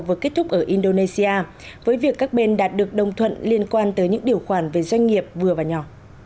vừa kết thúc ở indonesia với việc các bên đạt được đồng thuận liên quan tới những điều khoản về doanh nghiệp vừa và nhỏ